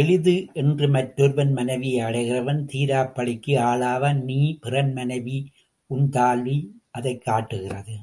எளிது என்று மற்றொருவன் மனைவியை அடைகிறவன் தீராப்பழிக்கு ஆளாவான் நீ பிறன் மனைவி உன்தாலி அது காட்டுகிறது.